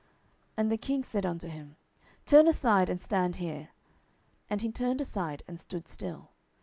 10:018:030 And the king said unto him, Turn aside, and stand here. And he turned aside, and stood still.